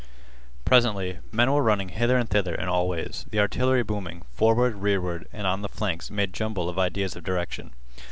Presently, men were running hither and thither in all ways. The artillery booming, forward, rearward, and on the flanks made jumble of ideas of direction.